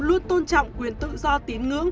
luôn tôn trọng quyền tự do tín ngưỡng